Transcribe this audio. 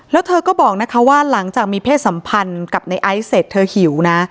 แล้วเธอก็บอกนะคะว่าหลังจากมีเพศสัมพันธ์กับในไอซ์เสร็จเธอหิวนะ